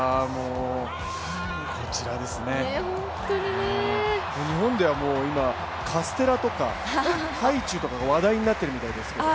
こちらですね、日本ではカステラとかハイチュウとかが話題になってるみたいですけど。